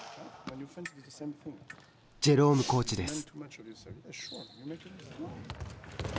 ジェロームコーチです。